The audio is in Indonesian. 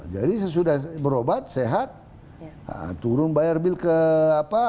jadi sesudah berobat sehat turun bayar bil ke apa